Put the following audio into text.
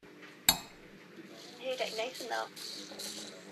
walio na afya nzuri